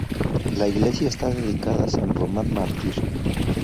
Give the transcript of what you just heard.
La iglesia está dedicada a san Román mártir.